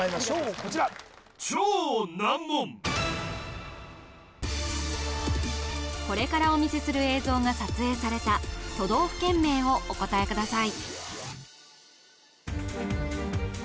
こちらこれからお見せする映像が撮影された都道府県名をお答えください